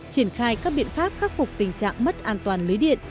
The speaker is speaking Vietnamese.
triển khai các biện pháp khắc phục tình trạng mất an toàn lưới điện